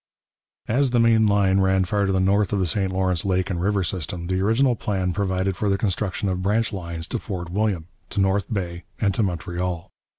As the main line ran far to the north of the St Lawrence lake and river system, the original plan provided for the construction of branch lines to Fort William, to North Bay, and to Montreal.